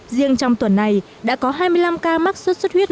riêng trong tuần này đã có hai mươi năm ca mắc xuất xuất huyết